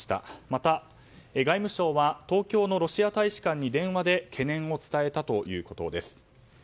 また外務省は東京のロシア大使館に電話で懸念を伝えたということです。